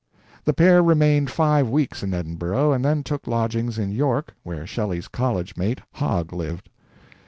The pair remained five weeks in Edinburgh, and then took lodgings in York, where Shelley's college mate, Hogg, lived.